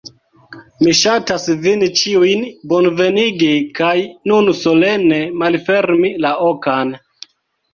Mi ŝatas vin ĉiujn bonvenigi kaj nun solene malfermi la okan